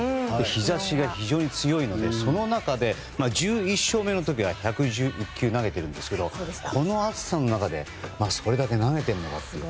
日差しが非常に強いのでその中で、１１勝目の時は１１１球投げているんですがこの暑さの中でそれだけ投げているという。